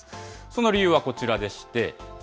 その理由はこちらでして。